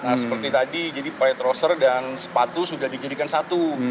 nah seperti tadi jadi pie trosser dan sepatu sudah dijadikan satu